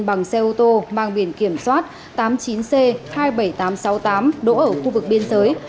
bằng xe ô tô mang biển kiểm soát tám mươi chín c hai mươi bảy nghìn tám trăm sáu mươi tám đỗ ở khu vực biên giới